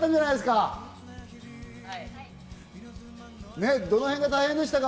ねぇどのへんが大変でしたか？